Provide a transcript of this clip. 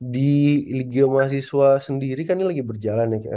di liga mahasiswa sendiri kan ini lagi berjalan ya